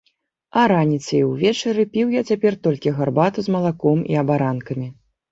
А раніцай і ўвечары піў я цяпер толькі гарбату з малаком і абаранкамі.